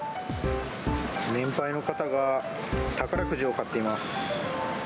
年配の方が宝くじを買っています。